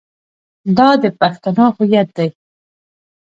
دا د پښتنو هویت دی.